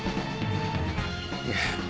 いえ。